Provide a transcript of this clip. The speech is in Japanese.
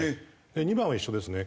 ２番は一緒ですね。